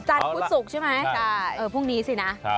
จันทร์พุธศุกร์ใช่ไหมพรุ่งนี้สินะใช่เอาละ